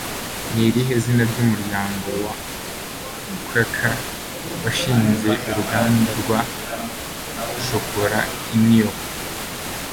Ni irihe zina ry'umuryango wa Quaker washinze uruganda rwa shokora i New York?